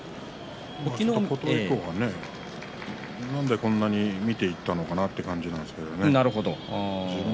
琴恵光が、なんでこんな見ていったのかなという感じがしますね。